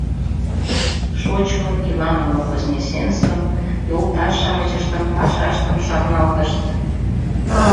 Шочмо Иваново-Вознесенскым, йолташ-шамычыштым, пашаштым шарналтышт.